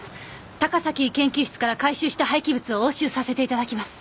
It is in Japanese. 高崎研究室から回収した廃棄物を押収させて頂きます。